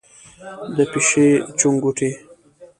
د پیشۍ چنګوټی،